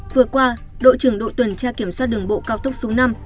vừa qua đội trưởng đội tuần tra kiểm soát đường bộ cao tốc số năm